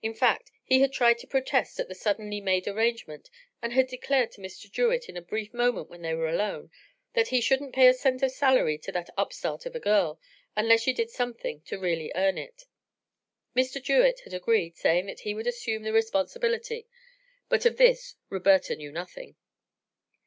In fact, he had tried to protest at the suddenly made arrangement and had declared to Mr. Jewett, in a brief moment when they were alone, that he shouldn't pay a cent of salary to that "upstart of a girl" unless she did something to really earn it. Mr. Jewett had agreed, saying that he would assume the responsibility; but of this Roberta knew nothing.